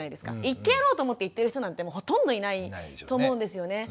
言ってやろうと思って言ってる人なんてほとんどいないと思うんですよね。